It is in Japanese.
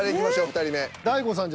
２人目。